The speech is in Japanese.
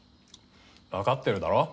わかってるだろ？